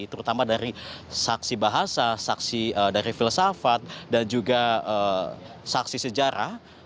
terutama dari saksi bahasa saksi dari filsafat dan juga saksi sejarah